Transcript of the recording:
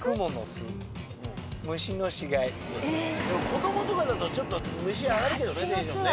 でも子供とかだとちょっと虫で上がるけどテンションね。